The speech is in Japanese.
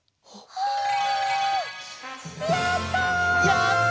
やった！